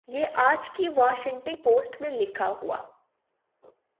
یہ آج کی واشنگٹن پوسٹ میں لکھا ہوا ۔